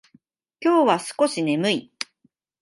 今日は少し眠い。